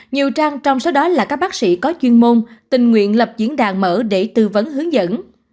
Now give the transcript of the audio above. nhiều trang trong số đó là các bác sĩ có chuyên môn tình nguyện lập diễn đàn mở để tư vấn hướng dẫn